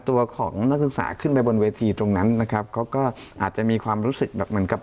ตัวของนักศึกษาขึ้นไปบนเวทีตรงนั้นนะครับเขาก็อาจจะมีความรู้สึกแบบเหมือนกับ